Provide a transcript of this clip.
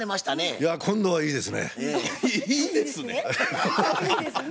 いや今度はいいですね。